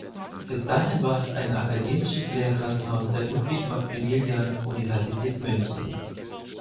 Bis dahin war es ein akademisches Lehrkrankenhaus der Ludwig-Maximilians-Universität München.